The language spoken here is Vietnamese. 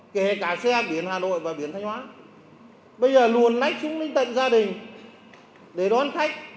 kể cả xe biển hà nội và biển thanh hóa bây giờ luôn lách xuống tỉnh tận gia đình để đón khách